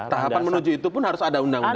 tahapan menuju itu pun harus ada undang undang